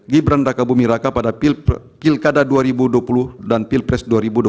gibran raka buming raka pada pilkada dua ribu dua puluh dan pilpres dua ribu dua puluh